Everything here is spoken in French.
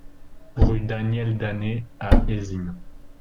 Rue Daniel Danet à Eysines